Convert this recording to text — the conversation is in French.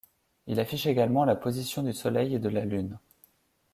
Il affiche également la position du Soleil et de la Lune.